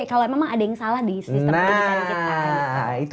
kalau memang ada yang salah di sistem pendidikan kita